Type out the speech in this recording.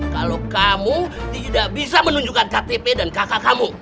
kalau kamu tidak bisa menunjukkan ktp dan kakak kamu